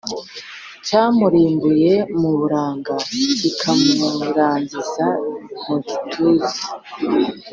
Cyamubimbuye mu buranga Kikamurangiza mu gituza,